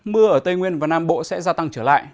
mưa ở tây nguyên và nam bộ sẽ gia tăng trở lại